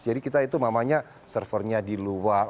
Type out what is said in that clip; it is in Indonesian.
jadi kita itu mamanya servernya di luar